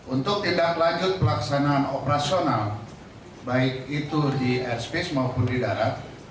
untuk tindak lanjut pelaksanaan operasional baik itu di airspace maupun di darat